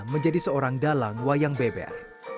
penelian penelitian bayang mahasodir